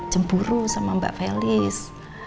cemburu sama mbak felis